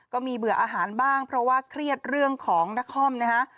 เบื่ออาหารบ้างเพราะว่าเครียดเรื่องของนครนะฮะ